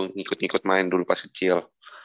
ngikut ngikut main dulu pas kecil